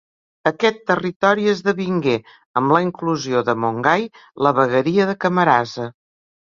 Aquest territori esdevingué, amb la inclusió de Montgai, la vegueria de Camarasa.